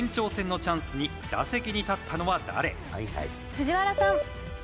藤原さん。